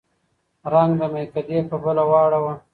رنګ د مېکدې په بله واړوه